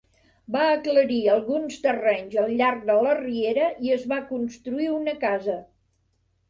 Va aclarir alguns terrenys al llarg de la riera i es va construir una casa.